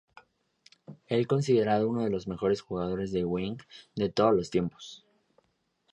Es considerado uno de los mejores jugadores de wing de todos los tiempos.